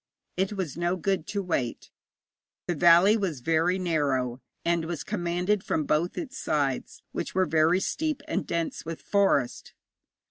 It was no good to wait. The valley was very narrow, and was commanded from both its sides, which were very steep and dense with forest.